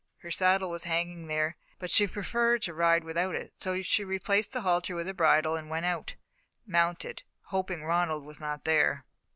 Her saddle was hanging there, but she preferred to ride without it, so she replaced the halter with a bridle and went out, mounted, hoping Ronald was not there.